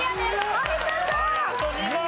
有田さん